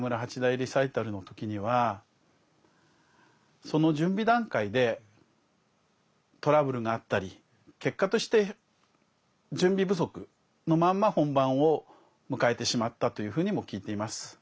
リサイタルの時にはその準備段階でトラブルがあったり結果として準備不足のまま本番を迎えてしまったというふうにも聞いています。